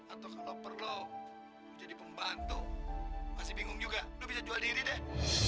atau kalau perlu jadi pembantu pasti bingung juga lo bisa jual diri deh